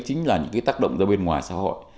chính là những cái tác động ra bên ngoài xã hội